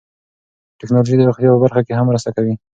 ټکنالوژي د روغتیا په برخه کې هم مرسته کوي.